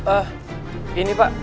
eh ini pak